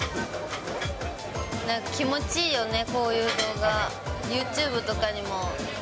なんか気持ちいいよね、こういう動画。